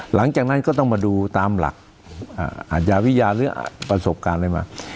หลังจากนั้นก็ต้องมาดูตามหลักอาจจะวิญญาณหรือประสบการณ์ได้มั้ย